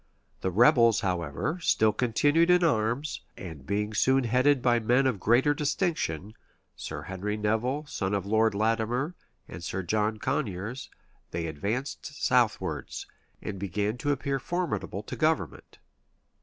The rebels, however, still continued in arms; and being soon headed by men of greater distinction: Sir Henry Nevil, son of Lord Latimer, and Sir John Coniers, they advanced southwards, and began to appear formidable to government.